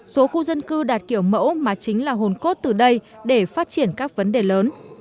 số khu dân cư đạt kiểu mẫu mà chính là hồn cốt từ đây để phát triển các vấn đề lớn